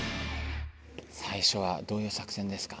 さいしょはどういう作戦ですか？